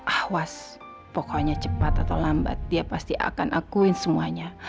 ahwas pokoknya cepat atau lambat dia pasti akan akuin semuanya